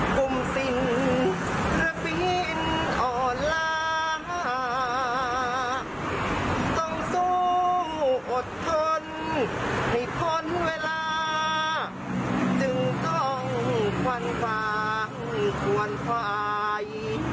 สู้อดทนให้พ้นเวลาจึงต้องควันฝังควรฝ่าย